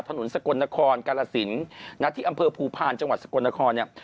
สกลนครกาลสินนะที่อำเภอภูพาลจังหวัดสกลนครเนี่ย